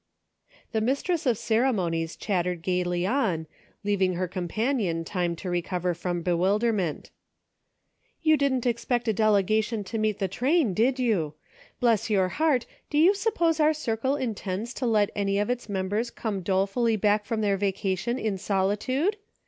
The mistress of ceremonies chattered gayly on, leaving her companion time to recover from bewil derment. " You didn't expect a delegation to meet the train, did you .* Bless your heart, do you suppose our circle intends to let any of its members come dolefully back from their vacation in solitude